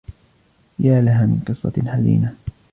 يا لها من قصّةٍ حزينة.